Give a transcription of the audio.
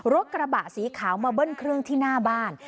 รถกระบะสีขาวมาเบิ้ลเครื่องที่หน้าบ้าน